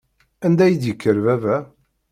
Anda i d-yekker baba.